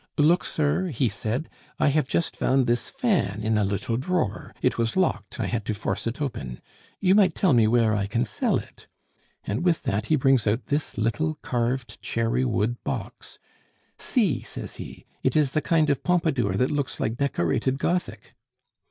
'Look, sir,' he said, 'I have just found this fan in a little drawer; it was locked, I had to force it open. You might tell me where I can sell it' and with that he brings out this little carved cherry wood box. 'See,' says he, 'it is the kind of Pompadour that looks like decorated Gothic.